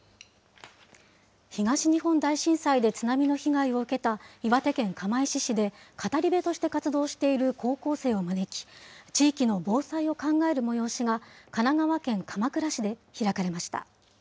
東日本大震災で津波の被害を受けた岩手県釜石市で、語り部として活動している高校生を招き、地域の防災を考える催しが、神奈川県鎌倉市で開かれました。